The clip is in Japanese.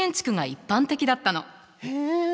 へえ。